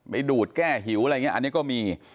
ไปดูดแก้หิวอะไรอย่างนี้อันนี้ก็มี